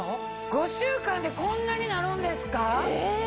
５週間でこんなになるんですか！